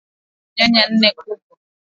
Nyanya nne kubwa